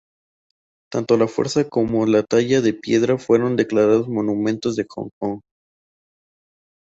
Tanto la fortaleza como la talla de piedra fueron declarados monumentos de Hong Kong.